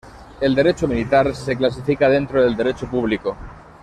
El derecho militar se clasifica dentro del derecho público.